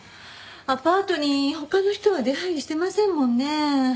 アパートに他の人は出入りしてませんもんね。